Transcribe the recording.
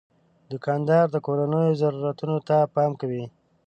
دوکاندار د کورنیو ضرورتونو ته پام کوي.